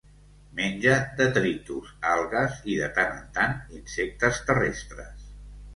Menja detritus, algues i, de tant en tant, insectes terrestres.